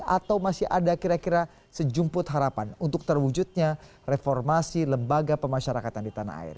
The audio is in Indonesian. atau masih ada kira kira sejumput harapan untuk terwujudnya reformasi lembaga pemasyarakatan di tanah air